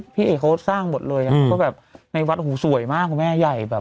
พี่เอกเขาสร้างหมดเลยเพราะแบบในวัดหูสวยมากคุณแม่ใหญ่แบบ